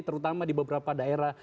terutama di beberapa daerah